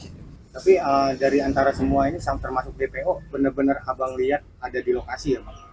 tapi dari antara semua ini termasuk dpo benar benar abang lihat ada di lokasi ya bang